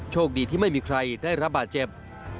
โชคดีที่ไม่มีใครได้รับบาดเจ็บ